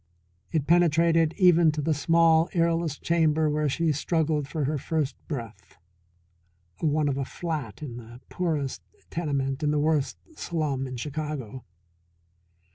It penetrated even to the small airless chamber where she struggled for her first breath one of a "flat" in the poorest tenement in the worst slum in Chicago.